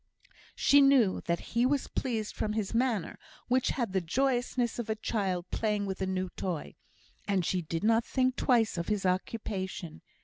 She knew that he was pleased from his manner, which had the joyousness of a child playing with a new toy, and she did not think twice of his occupation.